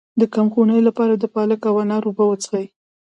د کمخونۍ لپاره د پالک او انار اوبه وڅښئ